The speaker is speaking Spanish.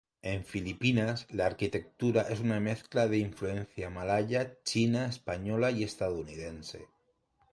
En Filipinas la arquitectura es una mezcla de influencia malaya, china, española y estadounidense.